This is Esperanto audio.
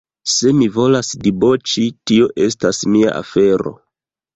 Se mi volas diboĉi, tio estas mia afero.